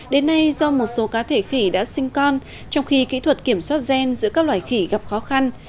đến nay do một số cá thể khỉ đã sinh con trong khi kỹ thuật kiểm soát gen giữa các loài khỉ gặp khó khăn